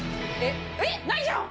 えっ！ないじゃん！